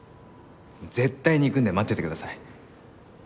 絶対に行くんで待っててください。